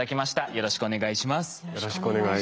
よろしくお願いします。